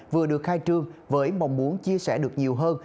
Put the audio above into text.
vừa được khai trương với mong muốn chia sẻ được nhiều hơn